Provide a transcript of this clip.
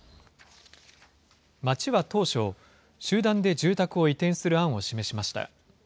町は当初、集団で住宅を移転する案を示しました。